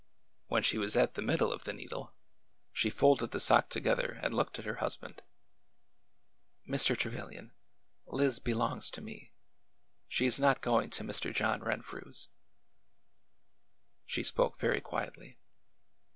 When she was at the middle of the needle, she folded the sock together and looked at her husband. Mr. Trevilian, Liz belongs to me. She is not going to Mr. John Renfrew's." She spoke very quietly.